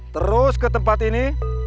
terus ke tempat ini